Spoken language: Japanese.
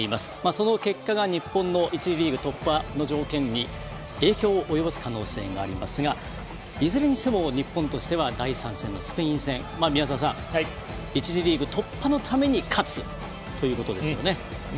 その結果が日本の１次リーグ突破の条件に影響を及ぼす可能性がありますがいずれにしても、日本としては第３戦のスペイン戦１次リーグ突破のために勝つということですよね。